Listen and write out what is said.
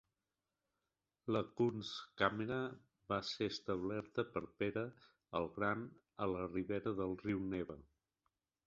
La Kunstkamera va ser establerta per Pere el Gran a la ribera del riu Neva.